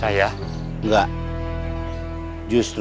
apa aku juga